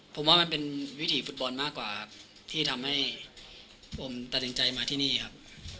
ผมว่ามันเป็นวิถีฟุตบอลมากกว่าครับที่ทำให้ผมตัดสินใจมาที่นี่ครับ